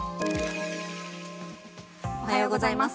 おはようございます。